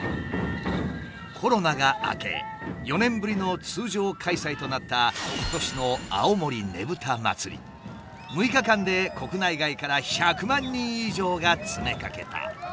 コロナが明け４年ぶりの通常開催となった今年の６日間で国内外から１００万人以上が詰めかけた。